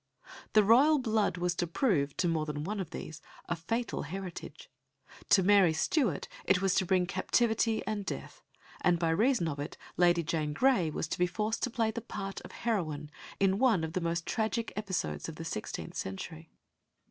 The royal blood was to prove, to more than one of these, a fatal heritage. To Mary Stuart it was to bring captivity and death, and by reason of it Lady Jane Grey was to be forced to play the part of heroine in one of the most tragic episodes of the sixteenth century.